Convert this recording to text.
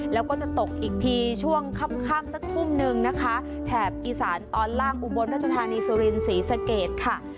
แล้วก็จะตกอีกทีช่วงค่ำสักทุ่มนึงนะคะแถบอีสานตอนล่างอุบลรัชธานีสุรินศรีสะเกดค่ะ